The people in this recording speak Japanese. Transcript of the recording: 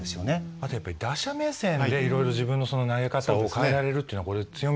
あとやっぱり打者目線でいろいろ自分の投げ方を変えられるっていうのはこれ強みですよね小早川さんね。